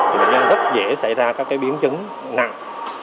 thì bệnh nhân rất dễ xảy ra các biến chứng nặng